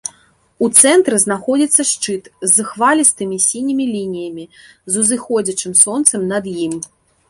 У цэнтры знаходзіцца шчыт з хвалістымі сінімі лініямі, з узыходзячым сонцам над ім.